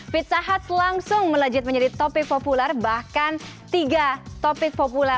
pizza hut langsung melejit menjadi topik populer bahkan tiga topik populer